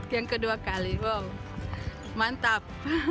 yang kedua kali wow mantap